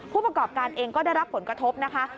ผู้ประกอบการเองก็ได้รับผลกระทบนะคะ